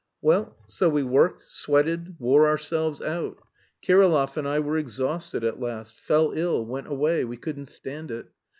Well, so we worked, sweated, wore ourselves out; Kirillov and I were exhausted at last; fell ill went away we couldn't stand it.